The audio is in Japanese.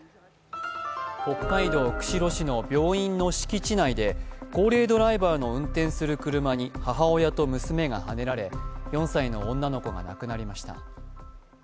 北海道釧路市の病院の敷地内で高齢ドライバーの運転する車に母親と娘がはねられ４歳の女の子が亡くなりました。